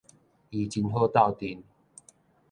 伊真好鬥陣